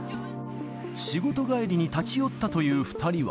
仕事帰りに立ち寄ったという２人は。